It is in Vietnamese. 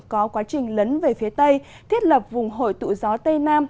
có quá trình lấn về phía tây thiết lập vùng hội tụ gió tây nam